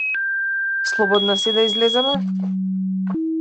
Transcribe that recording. Слободна си да излеземе?